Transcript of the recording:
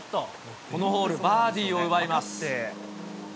このホール、バーディーを奪います。